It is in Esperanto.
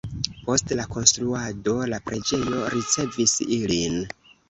Post la konstruado la preĝejo ricevis ilin.